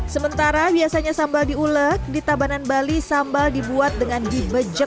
sementara biasanya sambal di ulek di tabanan bali sambal dibuat dengan dibej